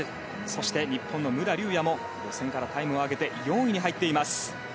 そして、日本の武良竜也も予選からタイムを上げて４位に入っています。